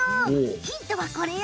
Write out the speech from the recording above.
ヒントはこれよ。